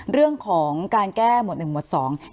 เรื่องของการแก้หมวดหนึ่งหมวดสอง